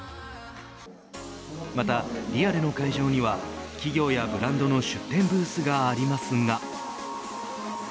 またリアルの会場には企業やブランドの出展ブースがありますが。